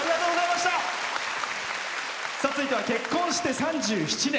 続いては結婚して３７年。